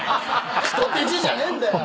⁉「人」って字じゃねえんだよ。